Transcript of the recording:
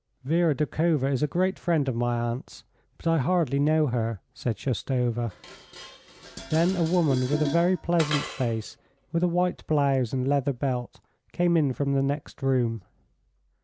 "Vera Doukhova is a great friend of my aunt's, but I hardly know her," said Shoustova. Then a woman with a very pleasant face, with a white blouse and leather belt, came in from the next room.